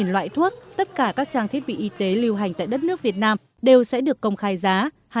một mươi loại thuốc tất cả các trang thiết bị y tế lưu hành tại đất nước việt nam đều sẽ được công khai giá